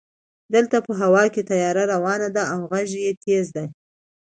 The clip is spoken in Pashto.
دلته په هوا کې طیاره روانه ده او غژ یې تېز ده.